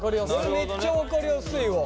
めっちゃ分かりやすいわ。